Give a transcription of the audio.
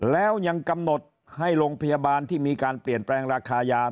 แล้วยังกำหนดให้โรงพยาบาลที่มีการเปลี่ยนแปลงราคายา